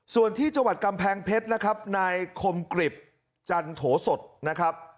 ส่วนที่จังหวัดกำแพงเพชรนะครับนายคมกริบจันโถสดนะครับ